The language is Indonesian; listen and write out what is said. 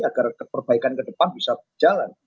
agar perbaikan ke depan bisa berjalan